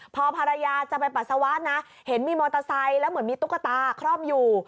พอภรรยาจะไปปัสสาวะนะเห็นมีมอเตอร์ไซค์แล้วเหมือนมีตุ๊กตาคล่อมอยู่